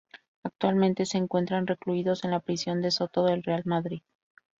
Actualmente se encuentran recluidos en la prisión de Soto del Real de Madrid.